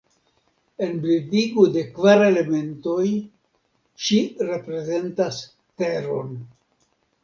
En bildigo de Kvar elementoj ŝi reprezentas Teron.